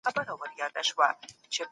سياسي ژوند بايد له اړودوړ سره مخ نسي.